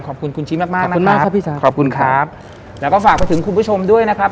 ขอบคุณคุณชิมากนะคะขอบคุณครับแล้วก็ฝากไปถึงคุณผู้ชมด้วยนะครับ